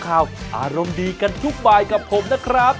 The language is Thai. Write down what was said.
อารมณ์ดีกันทุกบายกับผมนะครับ